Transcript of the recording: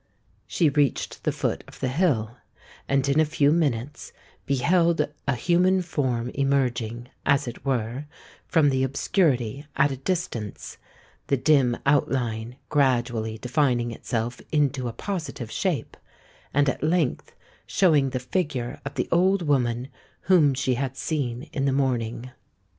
She reached the foot of the hill, and in a few minutes beheld a human form emerging, as it were, from the obscurity at a distance—the dim outline gradually defining itself into a positive shape, and at length showing the figure of the old woman whom she had seen in the morning.